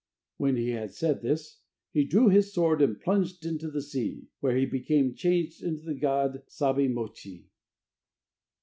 When he had said this, he drew his sword and plunged into the sea, where he became changed into the god Sabi Mochi.